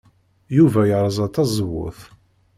Yuba yerẓa tazewwut.